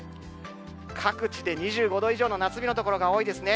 各地で２５度以上の夏日の所が多いですね。